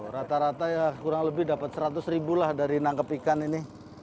rata rata ya kurang lebih dapat seratus ribu lah dari nangkep ikan ini